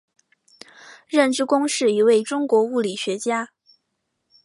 任之恭是一位中国物理学家。